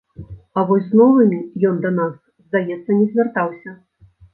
А вось з новымі ён да нас, здаецца, не звяртаўся.